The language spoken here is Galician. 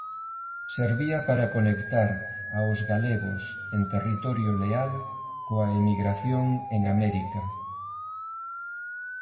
Servía para conectar aos galegos en territorio leal coa emigración en América.